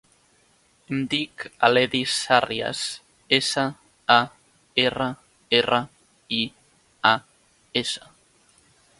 Em dic Aledis Sarrias: essa, a, erra, erra, i, a, essa.